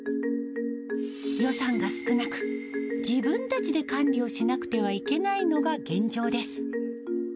予算が少なく、自分たちで管理をしなくてはいけないのが現状です。